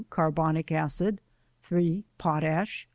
Carbonic acid. 3. Potash.